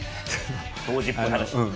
当時っぽい話。